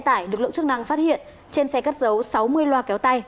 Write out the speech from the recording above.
xe tải được lượng chức năng phát hiện trên xe cắt dấu sáu mươi loa kéo tay